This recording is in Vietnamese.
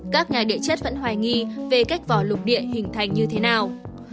các nhà địa chất vẫn hoài nghi về cách vỏ lục địa hình thành như thế nào